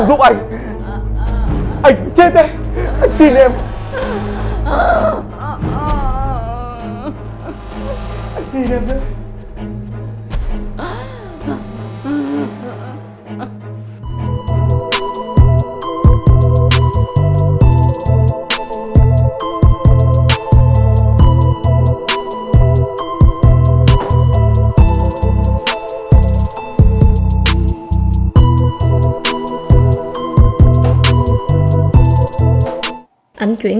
với các bạn